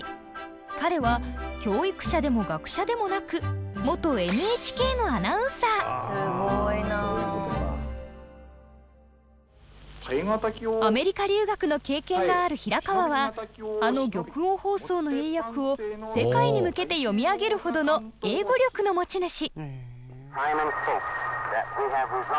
彼は教育者でも学者でもなくアメリカ留学の経験がある平川はあの玉音放送の英訳を世界に向けて読み上げるほどの英語力の持ち主。